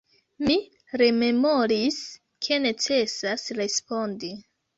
Mi rememoris, ke necesas respondi.